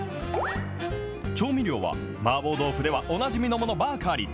調味料は、マーボー豆腐ではおなじみのものばかり。